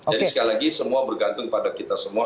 jadi sekali lagi semua bergantung pada kita semua